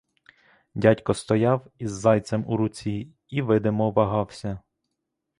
Дядько стояв із зайцем у руці і видимо вагався.